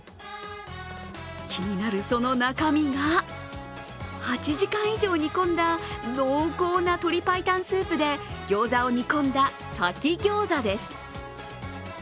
気になるその中身が、８時間以上煮込んだ濃厚な鶏白湯スープでギョーザを煮込んだ炊き餃子です。